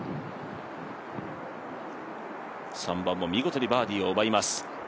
３番も見事にバーディーを奪います。